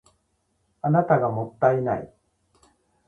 あなたがもったいない